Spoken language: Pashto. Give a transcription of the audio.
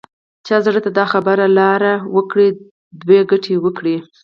چا زړه ته دا خبره لاره وکړي دوه ګټې وکړي.